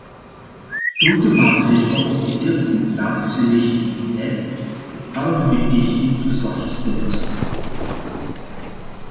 Zulke maatregelen ontberen democratische legitimiteit en daarom heb ik tegen dit verslag gestemd.